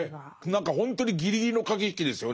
何かほんとにギリギリの駆け引きですよね。